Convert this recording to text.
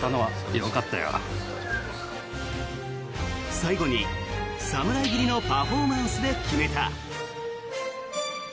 最後に侍斬りのパフォーマンスで決めた。